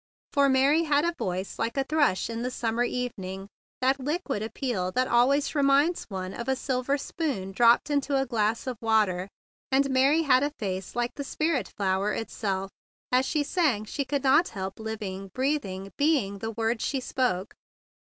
For Mary had a voice like a thrush in the summer evening, that liquid appeal that always reminds one of a silver spoon dropped into a glass of water; and Mary had a face like the spirit flower itself. As she sang she could not help living, breath¬ ing, being the words she spoke.